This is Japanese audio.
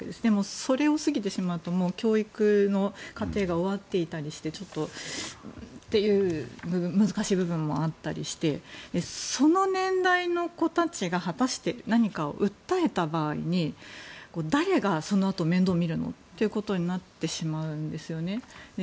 それを過ぎてしまうと教育の過程が終わっていたりしてちょっとっていう難しい部分もあったりしてその年代の子たちが果たして、何かを訴えた場合に誰がそのあと面倒見るのってことになってしまうんです。